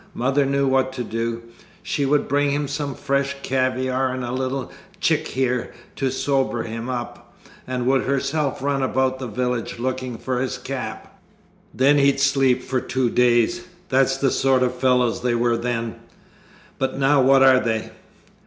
Mother knew what to do: she would bring him some fresh caviar and a little chikhir to sober him up, and would herself run about in the village looking for his cap. Then he'd sleep for two days! That's the sort of fellows they were then! But now what are they?'